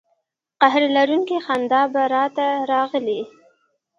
قهر لرونکې خندا به را ته راغلې.